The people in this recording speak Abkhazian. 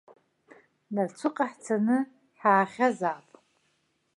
Нарцәыҟа ҳцаны ҳаахьазаап!